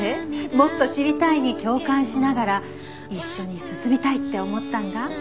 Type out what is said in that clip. “もっと知りたい”に共感しながら一緒に進みたいって思ったんだ」